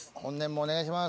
お願いします。